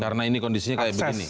karena ini kondisinya seperti ini